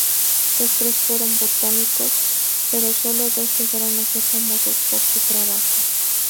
Los tres fueron botánicos, pero sólo dos llegaron a ser famosos por su trabajo.